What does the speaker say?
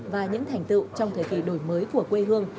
và những thành tựu trong thời kỳ đổi mới của quê hương